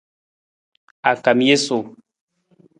A kam jesu.